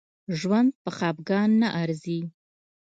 ژوند په خپګان نه ارزي